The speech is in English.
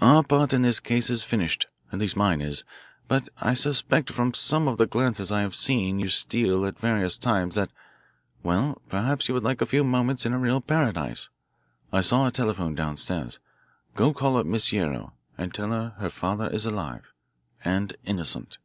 Our part in this case is finished at least mine is. But I suspect from some of the glances I have seen you steal at various times that well, perhaps you would like a few moments in a real paradise. I saw a telephone down stairs. Go call up Miss Guerrero and tell her her father is alive and innocent."